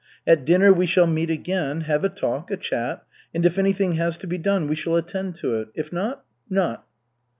At dinner we shall meet again, have a talk, a chat. And if anything has to be done, we shall attend to it, if not not."